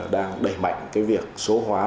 đang đẩy mạnh việc số hóa